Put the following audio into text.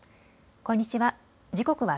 こんにちは。